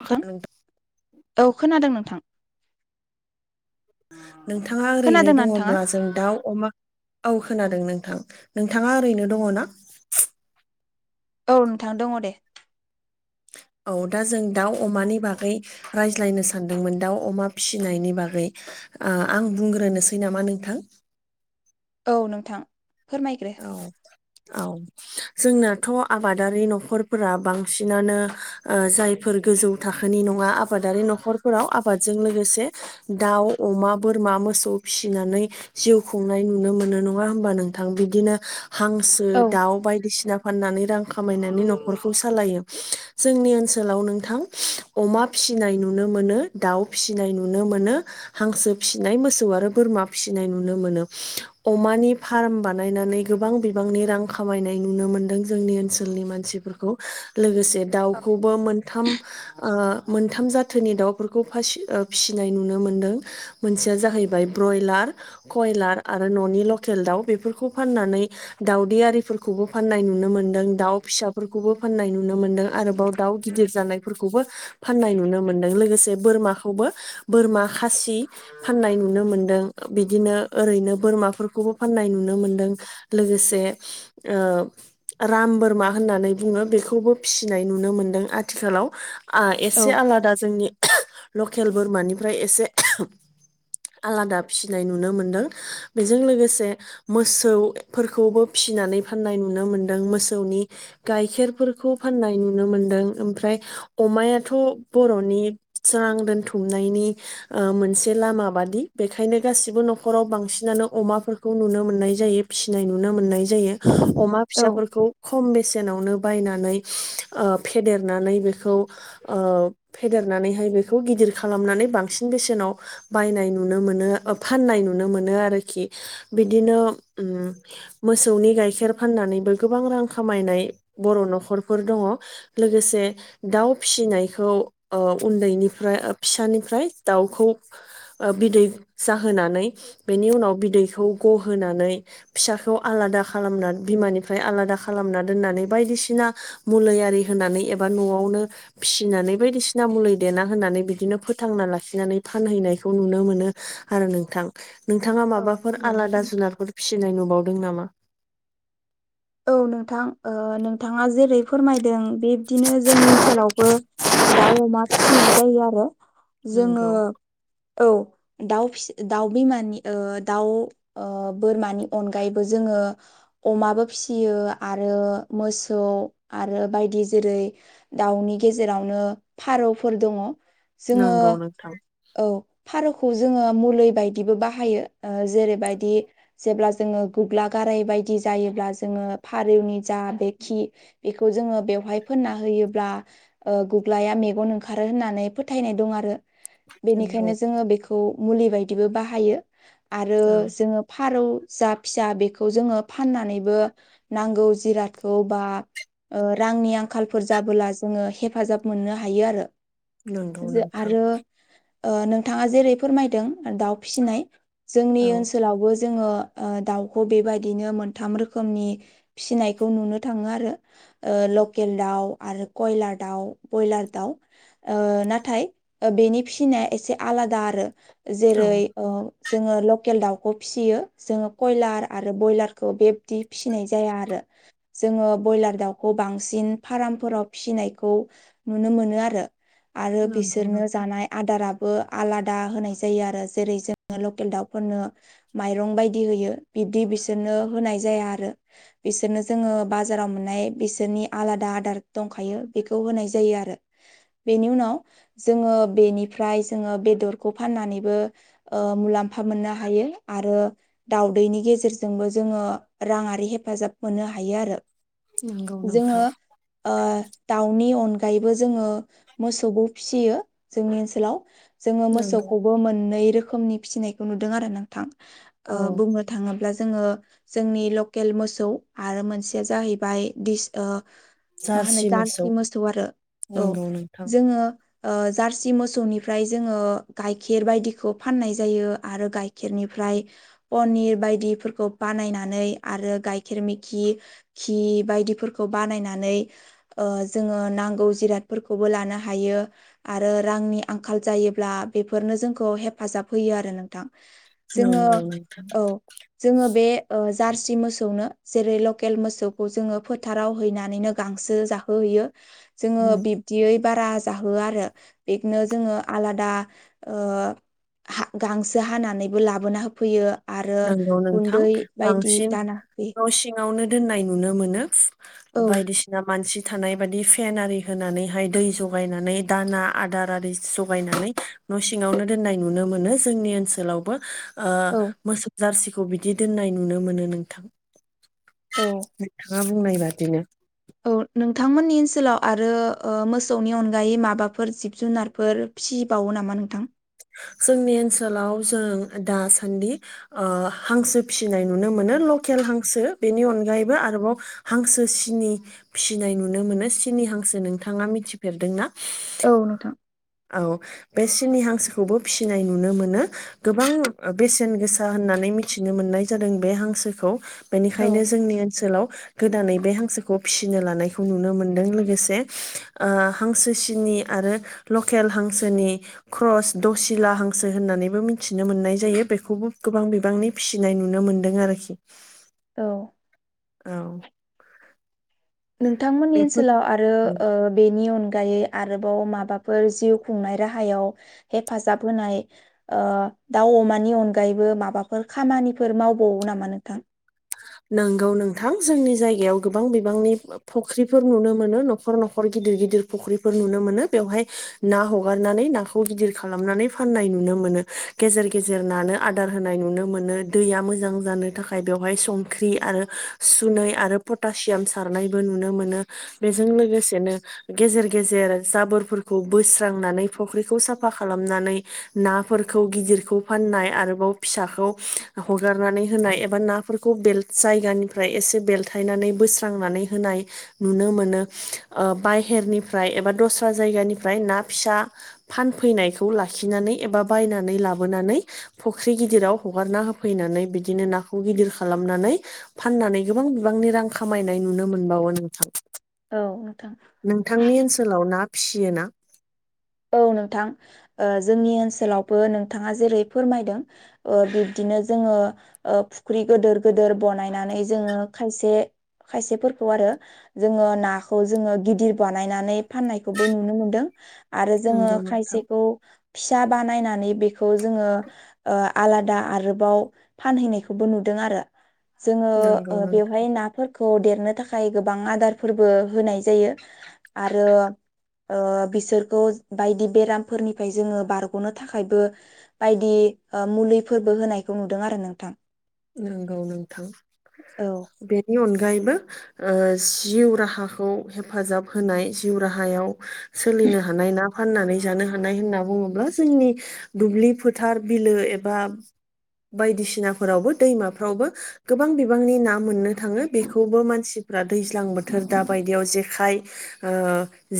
नोंथां औ खोनादों नोंथां नोंथाङा ओरैनो खोनादोंना नोंथाङा दङब्ला जों दाउ अमा औ खोनादों नोंथां नोंथाङा ओरैनो दङ ना औ नोंथां दङ दे औ दा जों दाउ अमानि बागै रायज्लायनो सानदोंमोन दाउ अमा फिसिनायनि बागै ओ बुंग्रोनोसै नामा नोंथां औ नोंथां फोरमायग्रो औ औ जोंनाथ' आबादारि न'खरफोरा बांसिनानो ओ जाय गोजौ थाखोनि नङा आबादारि न'खरफोराव आबादजों लोगोसे दाउ अमा बोरमा मा मोसौ फिसिनानै जिउ खुंनाय नुनो मोनो नङा हबा नोंथां बि दिनो हांसो औ दाउ बायदिसिना फाननानै रां खामायनानै न'खरखौ सालायो जोंनि ओनसोलाव नोंथां अमा फि सिनाय नुनो मोनो दाउ फिसिनाय नुनो मोनो हांसो फिसिनाय मोसौ आरो बोरमा फिसिनाय नुनो मोन अम फाराम बा बनानै गोबां बिबांनि रां खामायनाय नुनो मोनदों जोंनि ओनसोलनि मानसिफोरखौ लोगोसे औ दाउखौबो मोनथाम ओ मोनथाम जाथोनि दाउफोरखौ फासि ओ फिसिनाय नुनो मोनदों मोनसेया जाहैबाय ब्रयलार खइलार आरो न'नि लकेल दाव बेफोरखौ फाननानै दाावदै आरिफोरखौबो फाननाय नुनो मोन्दों दाउ फिसाफोरखौबो फाननाय नुनो मोन्दों आरोबाव दाउ गिदिर जानायफोरखौबो फाननाय नुनो मोनदों लोगोसे बोरमाखौबो बोरमा खासि फाननाय नुनो मोनदों बिदिनो ओरैनो बोरमाफोरखौबो फाननाय नुनो मोनदों लोगोसे ओ राम बोरमा होननानै बुङो बेखौबो फिसिनाय नुनो मोन आथिखालाव आं एसे आलादा जोंनि लकेल बोरमानिफ्राय एसे आलादा फिसिनाय नुनो मोनदों बेजों लोगोसे मोसौ सौ फोरखौबो फिसिनानै फाननाय नुनो मोनदों मोसौनि गाइखेरफोरखौ फाननाय नुनो मोनदों ओमफ्राय अमायाथ' बर'नि सरां दोनथुमनायनि ओ मोनसे लामा बादि बेखायनो गासिबो न'खराव बांसिनानो अमाफोरखौ नुनो मोननाय जायो फिसिनाय नुनो मोन्नाय जायो। अमा औ फिसि फोरखौ खम बेसेनावनो बायनानै ओ फेेदेरनानै बेखौ ओ फेदेरनानैहाय बेखौ गिदिर गिदिर खालामनानै बांसिन बेसेनाव बायनाय नुनो मोनो ओ फाननाय नुनो मोनो आरोखि। बिदिनो उम मोसौनि गाइखेर फाननानैबो गोबां रां खामायनाय बर' न'खरफोर दङ। लोगोसे दाउ फिसिनायखौ ओ उन्दैनिफ्राय फिसानिफ्राय द दाउखौ बिदै जाहोनानै बेनि उनाव बिदैखौ गहोनानै फिसाखौ आलादा खालामना बिमानिफ्राय आलादा खालामना दोननानै बायदिसिना मुलिया होनानै एबा न'आवनो फिसिनानै बायदिसिना मुलि देना होनानै बिदिनो फोथांना लाखिनानै नानै फानहैनायखौ नुनो मोनो आरो नोंथां नोंथाङाट औ माबाफोर आलादा जुनारफोर फिसिनाय नुबावदों नामा औ नोंथां ओ नोंथाङा जेरै फोरमायदों बिब्दिनो जोंनि ओनसोलावबो दाउ अमा फिसिनाय जायो आरो। जोङो नोंगौ औ दाउ फि दाउ बिमानि ओ दाउ ओ बोरमानि अनगायैबो जोङो अमााबो फिसियो आरो मोसौ आरो बायदि जेरै दाउनि गेजेराव नो फारौफोर दङ। जोङो नंगौ नोंथां औ फारौखौ जोङो मुलिै बायदिबो बाहायो। ओ जेरैबायदि जेब्ला जोङो गग्ला गाराय बायदि जायोब्ला जोङो फारौनि जा बेखि बेखौ जोङो बेवहाय फोनना होयोब्ला ओ गु ग्लाया मेगन ओंखारो होननानै फोथायनाय दं आरो। नंगौ बेनिखायनो जोङो बेखौ मुलि बायदिबो बाहायो। आरो औ जोङो फारौ जा फिसा बेखौ जोङो फाननानैबो नांगौ जिरादखौ बा ओ- रांनि आंखालफोर जाबोला जोङो हेफाजाब मोननो हायो आरो। नंगौ जो नोंथां आरो ओ- नोंथाङा जेरै फोरमायदों दाउ फिसिनाय जोंनि औ ओनसोलावबो जोङो ओ- दाउखौ बेबायदिनो मोनथाम रोखोम रोखोमनि फिसिनायखौ नुनो थाङो आरो। ओ- लकेल दाउ आरो कयलार दाउ ब्रयलार दाउ ओ- नाथाय ओ- बेनि फिसिनाया एसे आलादा आरो। जेरै औ ओ- जोङो लकेल दाउखौ फिसियो जोङो कयलार आरो बयलारखौ बे बिदि फिसिनाय जाया आरो। जोङो ब्रयलार दाउखौ बांसिन फार्मफोराव फिसिनायखौ नुनो मोनो आरो आरो नंगौ बिसोरनो नोंथां जानाय आदारा बो आलादा होनाय जायो आरो जेरै जोङो लकेल दउफोरनो माइरं बायदि होयो बिदि बिसोरनो होनाय जाया आरो बिसोरनो जोङो बाजाराव मोननाय बिसोरनि आलादा आदार दंखायो बेखौ होननाय जायो आरो। बेनि उनाव जोङो बेनिफ्राय जोङो बेदरखौ फाननानै बो ओ- मुलाम्फा मोननो हायो आरो दाउदैनि गेजेरजोंबो जोङो राङारि हेफाजाब मोनो हायो आरो। नंगौ जोङो नोंथां ओ दाउनि अन गायबो जोङो मोसौखौ फिसियो जोंनि ओनसोलाव। जोङो नंगौ मोसौखौबो मोननै रोखोमनि फिसिनायखौ नुदों आरो नोंथां औ ओ- बुंनो थाङोब्ला जोङो जोंनि लकेल मोसौ आरो मोनसेया जाहैबाय दिस ओ - मा होनो जार्सि मोसौ आरो औ नंगौ नोंथां जोङो ओ जार्सि मोसौनिफ्राय जोङो गाइखेर बायदिखौ फाननाय जायो आरो गाइखेरनि फ्राय पनि बायदिफोरखौ बानायना नै आरो गाइखेर मिखि खि बायदिफोरखौ बानायनानै ओ जों ओ नांगौ जिरादफोरखौबो लानो हायो आरो रांनि आंखाल जायोब्ला बेफोरनो जोंखौ हेफाजाब होयो आरो नोंथां जोङो नंगौ नोंथां औ जोङो बे जार्सि मोसौनो जेरै लकेल मोसौखौ जोङो फोथाराव हैनानैनो गांसो जाहोहैयो जोङो बिब्दियै बारा जाहोआ आरो बिखौनो जोङो आलादा ओ हा गांसो हानानैबो लाबोना होफैयो आरो नंगौ नोंथां गुन्दै बायदि दाना होफैयो नावनो दोन्नाय नुनो मोनो औ बायदि सिना मानसि थानाय बाददि फेन आरि होनानैहाय दै जगायनानै दाना आदार आरि जगायनानै न' सिङावनो दोननाय नुनो मोनो जोंनि ओनसोलावबो ओ औ मोसौ जारसिखौ बिदि दोननाय नुनो मोनो नोंथां। औ ङा बुंनाय बादिनो औ नोंथांमोननि ओनसोलाव आरो ओ मोसौनि अनगायै माबाफोर जिब-जुनारफोर फिसिबावो नामा नोंथां? जोंनि ओनसोलाव जों दासान्दि ओ हांसो फिसिनाय नुनो मोनो लकेल हांसो बेनि अनगायैबो आरोबाव हांसो सिनि फिसिनाय नुनो मोन सिनि हांसो नोंथाङा मिथिफेरदोंना औ नोंथां औ बे सिनि हां खौबो फिसिनाय नुनो मोनो गोबां बेसेन गोसा होननानै मिथिनो मोननाय जादों बे हां गोसोखौ औ बेनिखायनो जोंनि ओनसोलाव गोदानै बे हांसोखौ फिसिनो लानायखौ नुनो मोनदों लोगोसे ओ हांसो सिनि आरो लकेल हांसोनि क्रस दसि ला हांसो होननानैबो मिथिनो मोननाय जायो बेखौबो गोबां बिबांनि फिसिनाय नुनो मोन्दों आरो [inaudible] औ औ नोंथांमोननि बेफोर ओनसोलाव आरो औ ओ बेनि अन गायो आरोबाव माबाफोर जिउ खुंनाय राहायाव हेफाजाब होनाय ओ दाउ अमानि अनगायैबो माबाफोर खामानिफोर मावबावो नामा नोंथां। नंगौ नोंथां जोंनि जायगायाव गोबां बिबांनि फुख्रिफोर नुनो मोनो न'खर न'खर गिदिर गिदिर फुख्रिफोर नुनो मोनो बेवहाय ना हगारनानै नाखौ गिदिर खालामनानै फाननाय नुनो मोन गेजेर गेजेर नानो आदार होनाय नुनो मोन दैया मोजां जानो थाखाय बेवहाय सं ख्रि आरो सुनै आरो पटासियाम सारनायबो नुनो मोनो बेजों लोगोसेनो गेजेर गेजेर जाबोरफोरखौ बोस्रांनानै फुख्रिखौ साफा खालामनानै ना फोरखौ गिदिरखौ फाननाय आरोबाव फिसाखौ हगारनानै होनाय एबा नाफोरखौ बेल्ट जायगानिफ्राय एसे बेलथायनानै बोस्रांनानै होनाय नुनो मोनो ओ बाइ निफ्राय एबा दस्रा जायगानिफ्राय ना फिसा फानफैनायखौ लाखिनानै एबा बाय नानै लाबोनानै फुख्रि गिदिराव हगारना होफैनानै बिदिनो नाखौ गिदिर खालामनानै फाननानै गोबां बिबांनि रां खामायनाय नुनो मोनबावो नोंथां। औ नोंथां नोंथांनि ओनसोलाव ना फिसियोना औ नोंथां जोंनि ओ ओनसोलावबो नोंथाङा जेरै फोरमायदों बिब्दि नो जोङो ओ फुख्रि गिदिर गिदिर बानायनानै जोङो खायसे खायसेफोरखौ आरो जोङो नाखौ जोङो गिदिर बानायनानै फाननायखौबो नुनो मोनदों। आरो जोङो नंगौ नोंथां खायसेखौ फिसा बानायनानै बेखौ जोङो आलादा आरोबाव फानहैनायखौबो नुदों आरो जो नंगौ नों बेवहाय नाफोर खौ देरनो थाखाय गोबां आदारफोरबो होनाय जायो आरो ओ बिसोर बायदि बेरामफोरनिफ्राय जोङो बारग'नो थाखायबो बायदि मुलिफोरबो होनायखौ नुदों आरो नोंथां। नंगौ नोंथां औ बेनि अनग बो जिउ राहाखौ हेफाजाब होनाय जिउ राहायाव सो नो ह ना फनानै ज हानाय होननानै बुङोब जोंनि दुब्लि फोथार बिलो एबा बायदिसिनाफोरावबो दैमाफ्रावबो गोबां बिबांनि ना मोननो थाङो बेखौबो मानसिफ्रा दैज्लां बोथोर दाबाय दियाव जेखाय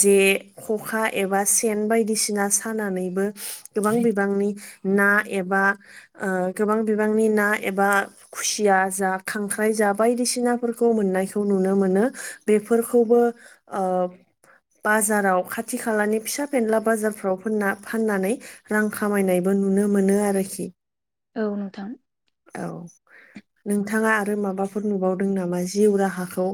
जे खखा एबा सेन बायदिसिना साना नैबो गोबां बिबांनि ना एबा गोबां बिबांनि ना एबा खुसिया जा खांख्राइ जा बायदिसिनाफोरखौ मोननायखौ नुनो मोनो। बे बेफोरखौबो ओ बाजाराव खाथि खालानि फिसा फेनला बाजारफ्राव फोना फाननानै रां खामायनायबो नुनो मोनो आरोखि। औ नोंथां। औ नोंथाङा आरो माबाफोर नुबावदों नामा जिउ राहाखौ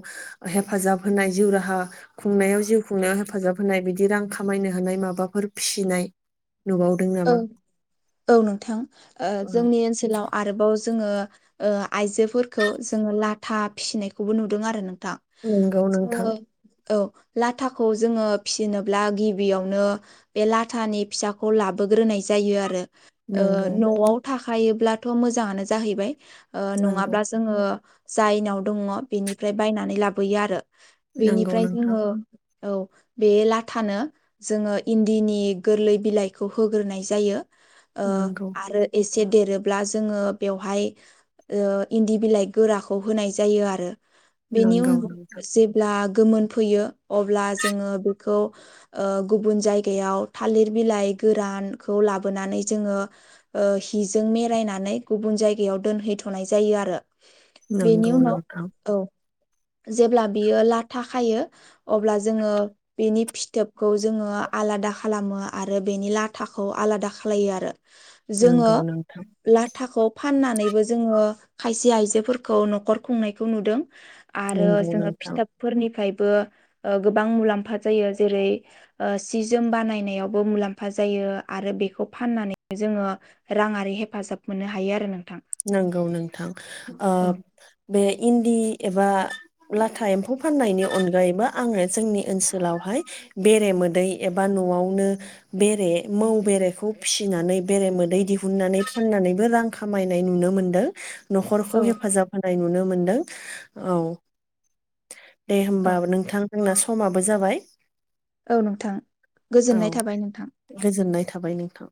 हेफाजाब हेफाब होनाय जिउ राहा खुंनायाव जिउ खुंनायाव हेफाजाब होनाय बिदि रां खामायनो होनाय माबाफोर फि नाय। औ औ नोंथां औ जोंनि ओनसोलाव आरोबाव जोङो ओ आइजोफोरखौ जोङो लाथा फिसिनायखौबो नुदों आरो नों थां नंगौ नोंथां जोङो औ लाथाखौ जोङो फिसिनोब्ला गिबियावनो बे लाथानि फिसाखौ लाब बोग्रोनाय जायो आरो ओ नंगौ न'आव थाखायोब्लाथ' मोजाङानो जाहैबाय। ओ नंगौ नङाब्ला जोङो जायनाव दङो बेनिफ्राय बायनानै लाबोयो आरो। नंगौ बेनिफ्राय नोंथां जोङो औ बे लाथानो जोङो इन्दिनि गोरलै बिलाइखौ होग्रोनाय जायो। ओ नंगौ आरो एसे एसे देरोब्ला जोङो बेवहाय इन्दि बिलाइ गोराखौ होनाय जायो आरो बेनि नंगौ उनाव जेब्ला गोमोनफैयो अब्ला जोङो बेखौ ओ गुबुन जायगायाव थालिर बिलाइ गोरानखौ लाबोनानै जोङो हिजों मेरायनानै गुबुन जायगायाव दोनहै थनाय थारो आरो। बेनि नंगौ उनाव नोंथां औ जेब्ला बियो लाथा खायो अब्ला जोङो बिनि फिथोबखौ जोङो आलादा खालामो आरो बेनि लाथाखौ आलादा खालायो आरो। जोङो नंगौ नोंथां लाथाखौ फाननानैबो जोङो खायसे आइजोफोरखौ न'खर खुंनायखौ नुदों आरो नंगौ जोङो नोंथां फिथोबफोरनिफ्राय गोबां मुलाम्फा जायो जेरै ओ सि जोम बानायनायावबो मुलामफा जायो आरो बेखौ फाननानै जोङो राङारि हेफाजाब मोननो हायो आरो नों नंगौ नोंथां ओ बे इन्दि एबा लाथा एम्फौ फाननायनि अनगायैबो आङो जोंनि ओनसोलावहाय बेरेमोदै एबा न'आवनो बेरे मौ बेरेखौ फिसिनानै बेरे मोदै दिहुुननानै फाननानैबो रां खामायनाय नुनो मोनदों न'खरखौ औ हेफाजाब होनाय नुनो मोनदों औ दे होमबा औ नोंथां। जोंना समाबो जाबाय। औ नोंथां औ गोजोननाय थाबाय नोंथां। गोजोननाय थाबाय नोंथां।